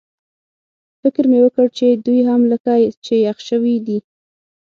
فکر مې وکړ چې دوی هم لکه چې یخ شوي دي.